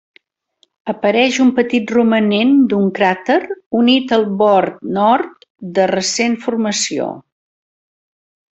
Apareix un petit romanent d'un cràter unit al bord nord de recent formació.